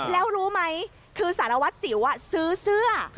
แล้วรู้ไหมคือสารวัตรสิวซื้อเสื้อ